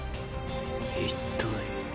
一体。